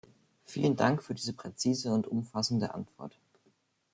Vielen Dank für diese präzise und umfassende Antwort!